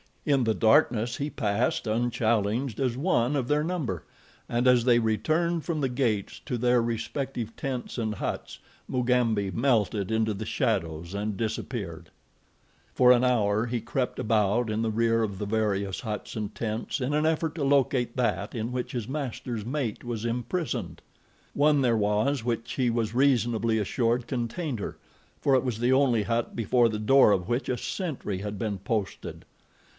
In the darkness he passed, unchallenged, as one of their number, and as they returned from the gates to their respective tents and huts, Mugambi melted into the shadows and disappeared. For an hour he crept about in the rear of the various huts and tents in an effort to locate that in which his master's mate was imprisoned. One there was which he was reasonably assured contained her, for it was the only hut before the door of which a sentry had been posted.